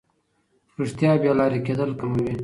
رښتیا بې لارې کېدل کموي.